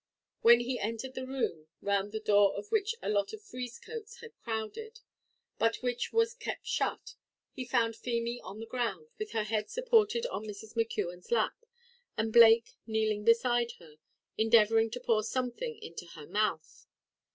When he entered the room, round the door of which a lot of frieze coats had crowded, but which was kept shut, he found Feemy on the ground, with her head supported on Mrs. McKeon's lap, and Blake kneeling beside her, endeavouring to pour something into her mouth.